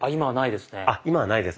今はないですね。